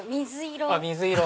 水色。